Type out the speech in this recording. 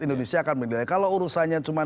indonesia akan menilai kalau urusannya cuma